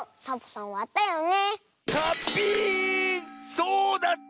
そうだった！